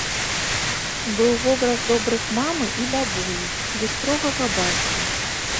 Быў вобраз добрых мамы і бабулі ды строгага бацькі.